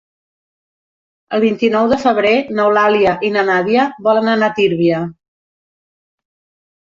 El vint-i-nou de febrer n'Eulàlia i na Nàdia volen anar a Tírvia.